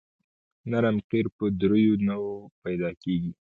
نرم قیر په دریو نوعو پیدا کیږي